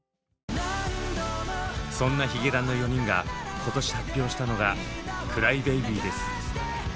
そんなヒゲダンの４人が今年発表したのが「ＣｒｙＢａｂｙ」です。